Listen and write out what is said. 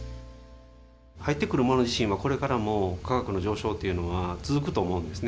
入ってくるもの自身は、これからも価格の上昇っていうのが続くと思うんですね。